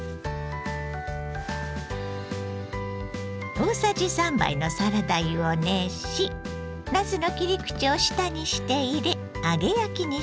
大さじ３杯のサラダ油を熱しなすの切り口を下にして入れ揚げ焼きにします。